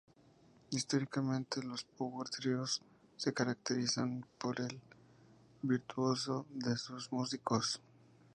Históricamente, los "power tríos" se caracterizaron por el virtuosismo de sus músicos.